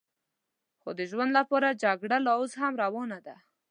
خو د ژوند لپاره جګړه لا اوس هم روانه ده.